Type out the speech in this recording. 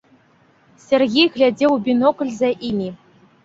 Сяргей глядзеў у бінокль за імі.